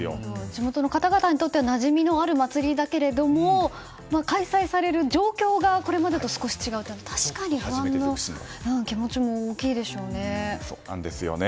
地元の方々にとってなじみのある祭りだけれど開催される状況がこれまでと少し違うというのは確かに不安の気持ちも大きいでしょうね。